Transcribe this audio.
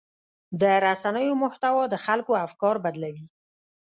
د رسنیو محتوا د خلکو افکار بدلوي.